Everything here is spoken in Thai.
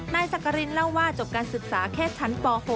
สักกรินเล่าว่าจบการศึกษาแค่ชั้นป๖